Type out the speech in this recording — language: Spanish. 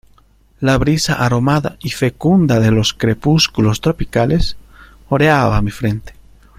la brisa aromada y fecunda de los crepúsculos tropicales oreaba mi frente.